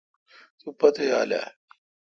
تو پوتھ یال اؘ۔